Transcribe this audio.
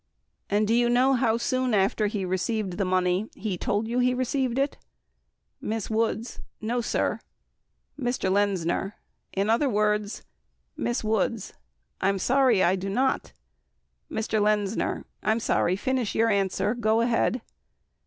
And do you know how soon after he received the money he told you he received it ? Miss Woods. No sir. Mr. Lenzner. In other words Miss Woods. I'm sorry, I do not. Mr. Lenzner. I'm sorry, finish your answer, go ahead.